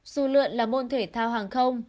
rù lượn là môn thể thao hàng không